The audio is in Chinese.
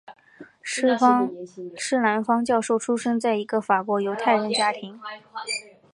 施兰芳教授出生在一个法国犹太人家庭。